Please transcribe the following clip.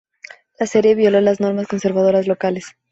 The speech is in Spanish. La serie violó las normas conservadoras locales.